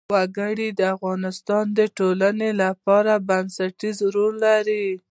وګړي د افغانستان د ټولنې لپاره بنسټيز رول لري.